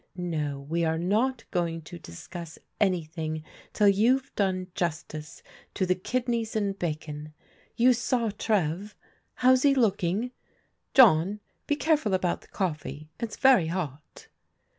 No, we are not going to discuss anything till you've done justice to the kidneys and bacon. You saw Trev. How's he looking? John, be careful about the coffee ; it's very hot."